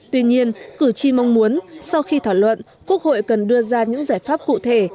tuy nhiên cử tri mong muốn sau khi thảo luận quốc hội cần đưa ra những giải pháp cụ thể